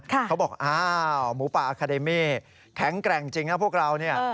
เขาบอกอ้าวหมูป่าอาคาเดมี่แข็งแกร่งจริงนะพวกเราเนี่ย